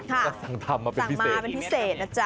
ก็สั่งทำมาเป็นพิเศษ